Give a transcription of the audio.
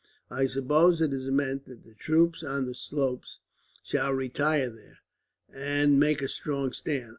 I suppose it is meant that the troops on the slopes shall retire there, and make a strong stand.